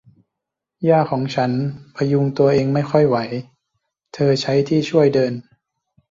ย่าของฉันพยุงตัวเองไม่ค่อยไหว เธอใช้ที่ช่วยเดิน